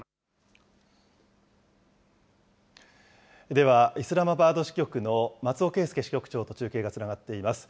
では、イスラマバード支局の松尾恵輔支局長と中継がつながっています。